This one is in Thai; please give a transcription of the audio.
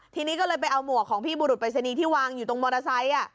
แล้วพี่จะไปเอามวกของพี่บุรุษปริศนีที่วางอยู่ตรงมอเตอร์ไซส์